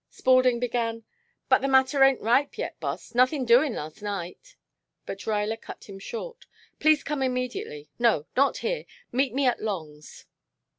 Spaulding began: "But the matter ain't ripe yet, boss. Nothin' doin' last night " But Ruyler cut him short. "Please come immediately no, not here. Meet me at Long's."